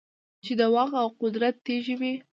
چـې د واک او قـدرت تـېږي وي .